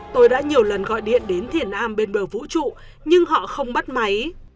tôi đã nhiều lần gọi điện đến thiền a bên bờ vũ trụ nhưng họ không bắt máy